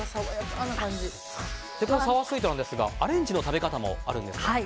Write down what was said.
サワースウィートですがアレンジの食べ方もあるんです。